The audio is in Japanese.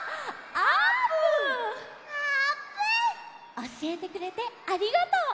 おしえてくれてありがとう！